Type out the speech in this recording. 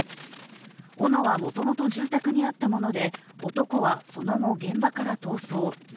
おのは、もともと住宅にあったもので男はその後、現場から逃走。